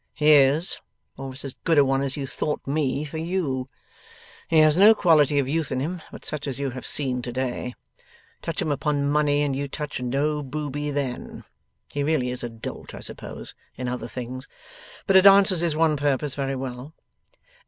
'He is. Almost as good a one as you thought me for you. He has no quality of youth in him, but such as you have seen to day. Touch him upon money, and you touch no booby then. He really is a dolt, I suppose, in other things; but it answers his one purpose very well.